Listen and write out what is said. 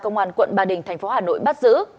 công an quận ba đình thành phố hà nội bắt giữ